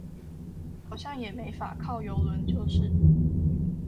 好像也沒法靠郵輪就是